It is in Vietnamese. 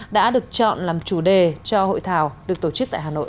đã được chọn làm chủ đề cho hội thảo được tổ chức tại hà nội